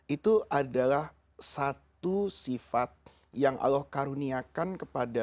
itu adalah satu sifat yang allah karuniakan kepada